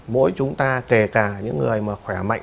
mỗi chúng ta kể cả những người mà khỏe mạnh